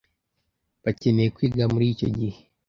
bakeneye kwiga muri icyo gihe